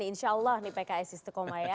insyaallah ini pks istiqomah ya